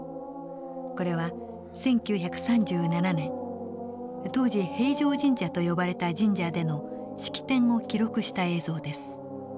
これは１９３７年当時平壌神社と呼ばれた神社での式典を記録した映像です。